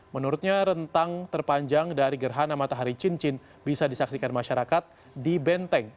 menurutnya rentang terpanjang dari gerhana matahari cincin bisa disaksikan masyarakat di benteng